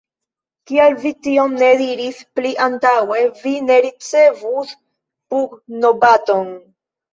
Kial vi tion ne diris pli antaŭe, vi ne ricevus pugnobaton!